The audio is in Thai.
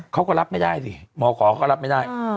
เขาก็รับไม่ได้สิหมอขอเขาก็รับไม่ได้